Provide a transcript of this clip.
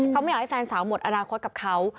เขาไม่อยากให้แฟนสาวหมดอนาคตกับเขา